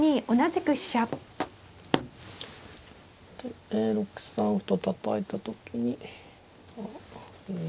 でええ６三歩とたたいた時に。